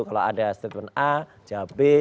kalau ada statement a ja b